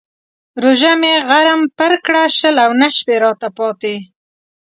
روژه مې غرم پر کړه شل او نهه شپې راته پاتې.